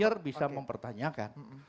lawyer bisa mempertanyakan